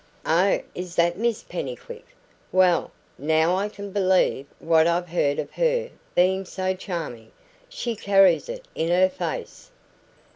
"Oh, is that Miss Pennycuick? Well, now I can believe what I've heard of her being so charming. She carries it in her face."